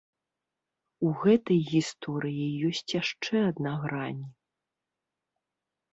У гэтай гісторыі ёсць яшчэ адна грань.